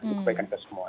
itu kebaikan itu semua